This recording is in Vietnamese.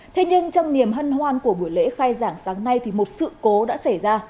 thế nhưng trong niềm hân hoan của buổi lễ khai giảng sáng nay thì một sự cố đã xảy ra